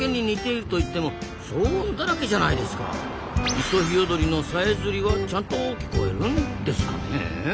イソヒヨドリのさえずりはちゃんと聞こえるんですかね？